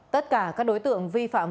tất cả các đối tượng vi phạm